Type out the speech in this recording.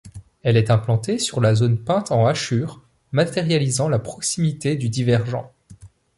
Elle est implantée sur la zone peinte en hachures matérialisant la proximité du divergent.